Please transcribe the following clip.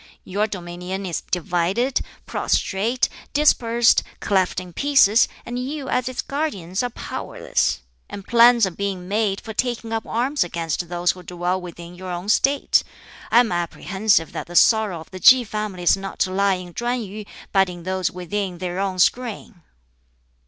Your dominion is divided, prostrate, dispersed, cleft in pieces, and you as its guardians are powerless. And plans are being made for taking up arms against those who dwell within your own State. I am apprehensive that the sorrow of the Ki family is not to lie in Chuen yu, but in those within their own screen."